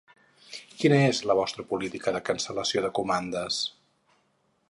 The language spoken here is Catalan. Quina és la vostre pol·litica de cancel·lació de comandes?